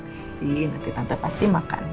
pasti nanti tante pasti makan